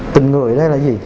tình người đây là gì